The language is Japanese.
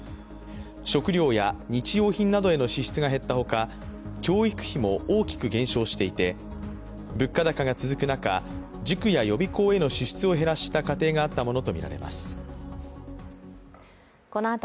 食料や日用品などへの支出が減ったほか教育費も大きく減少していて物価高が続く中、塾や予備校への支出を減らした家庭があったもの